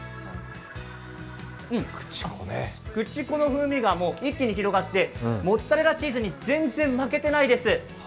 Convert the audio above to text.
この風味が一気に広がって、モッツァレラチーズに全然負けてないです。